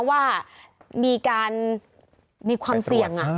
ว่ามีการมีความเสี่ยง